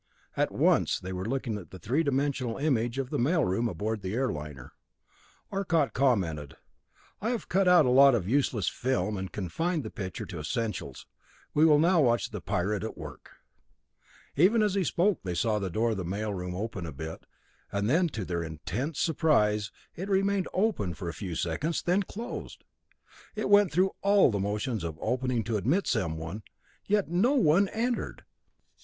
At once they were looking at the three dimensional image of the mail room aboard the air liner. Arcot commented: "I have cut out a lot of useless film, and confined the picture to essentials. We will now watch the pirate at work." Even as he spoke they saw the door of the mail room open a bit, and then, to their intense surprise, it remained open for a few seconds, then closed. It went through all the motions of opening to admit someone, yet no one entered!